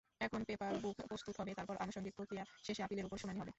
এখন পেপারবুক প্রস্তুত হবে, তারপর আনুষঙ্গিক প্রক্রিয়া শেষে আপিলের ওপর শুনানি হবে।